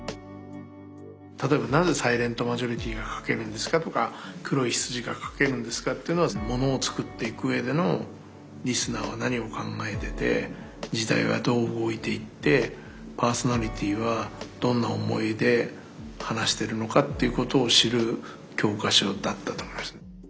例えばなぜ「サイレントマジョリティー」が書けるんですかとか「黒い羊」が書けるんですかっていうのはものをつくっていくうえでのリスナーは何を考えてて時代はどう動いていってパーソナリティーはどんな思いで話してるのかっていうことを知る教科書だったと思いますね。